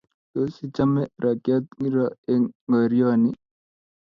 Tos, ichame rangyat ngiro eng ngorioni?